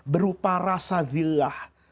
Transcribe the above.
berupa rasa zillah